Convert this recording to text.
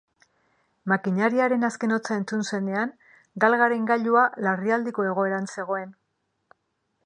Makinariaren azken hotsa entzun zenean, galgaren gailua larrialdiko egoeran zegoen.